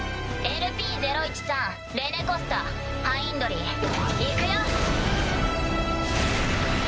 ＬＰ０１３レネ・コスタハインドリーいくよ！